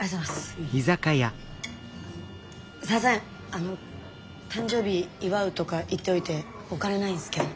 あの誕生日祝うとか言っておいてお金ないんすけど。